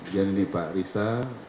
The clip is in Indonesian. dan ini pak risa